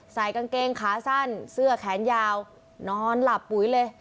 ใส่กางเกงขาสั้นเสื้อแขนยาวนอนหลับปุ๋ยเลย